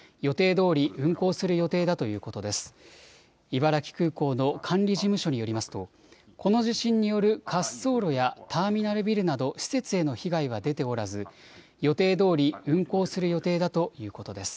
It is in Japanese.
茨城空港の管理事務所によりますと、この地震による滑走路やターミナルビルなど施設への被害は出ておらず予定どおり運航する予定だということです。